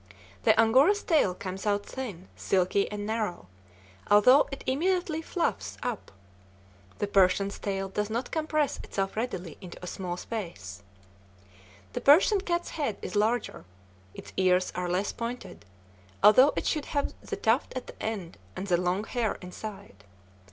The Angora's tail comes out thin, silky, and narrow, although it immediately "fluffs" up. The Persian's tail does not compress itself readily into a small space. The Persian cat's head is larger, its ears are less pointed, although it should have the tuft at the end and the long hair inside.